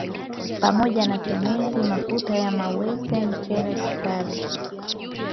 pamoja na Simenti, mafuta ya mawese, mchele, sukari